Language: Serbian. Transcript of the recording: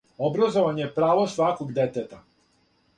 Образовање је право сваког детета.